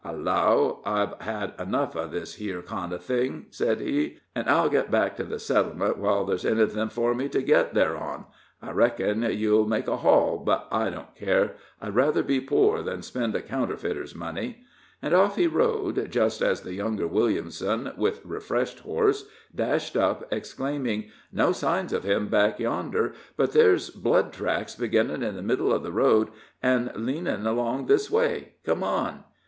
"I 'llow I've had enough of this here kind of thing," said he, "an' I'll get back to the settlement while there's anything for me to get there on. I reckon you'll make a haul, but I don't care I'd rather be poor than spend a counterfeiter's money." And off he rode, just as the younger Williamson, with refreshed horse, dashed up, exclaiming: "No signs of him back yonder, but there's blood tracks beginnin' in the middle of the road, an' leanin' along this way. Come on!"